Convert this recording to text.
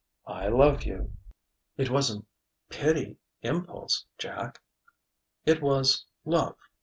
"I love you." "It wasn't pity impulse Jack ?" "It was love.